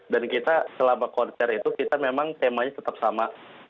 dan kita selama konser itu kita memang temanya tetap sama